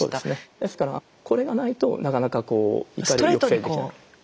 ですからこれがないとなかなかこう怒りを抑制できない。